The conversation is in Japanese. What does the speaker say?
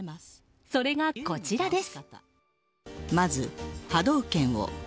それがこちらです。